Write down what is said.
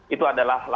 itu adalah langkahnya